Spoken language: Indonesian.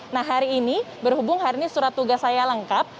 nah hari ini berhubung hari ini surat tugas saya lengkap